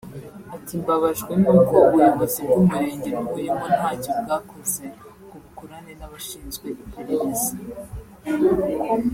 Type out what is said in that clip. Ati"Mbabajwe n’uko ubuyobozi bw’umurenge ntuyemo ntacyo bwakoze ngo bukorane n’abashinzwe iperereza